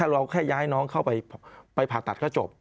แล้วเราก็แค่ย้ายน้องเข้าไปไปผ่าตัดก็จบ